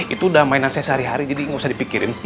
itu udah mainan saya sehari hari jadi nggak usah dipikirin